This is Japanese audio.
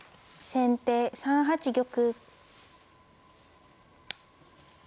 先手２八玉。